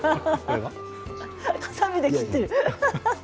はさみで切っている。